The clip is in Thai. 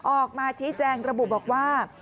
ออกมาชี้แจงระบุบอกว่า